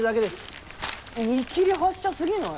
見切り発車すぎない？